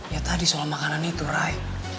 ya tadi soal makanan itu right